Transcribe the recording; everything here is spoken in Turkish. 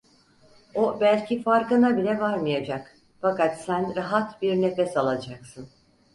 O belki farkına bile varmayacak, fakat sen rahat bir nefes alacaksın…